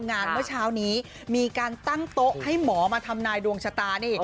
เมื่อเช้านี้มีการตั้งโต๊ะให้หมอมาทำนายดวงชะตานี่